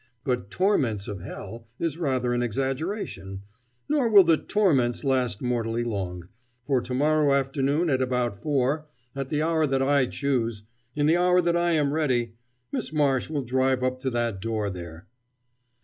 But 'torments of hell' is rather an exaggeration, nor will the 'torments' last mortally long, for to morrow afternoon at about four at the hour that I choose in the hour that I am ready Miss Marsh will drive up to that door there."